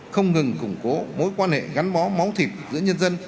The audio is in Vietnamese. không ngừng củng cố mối quan hệ gắn bó máu thịt giữa nhân dân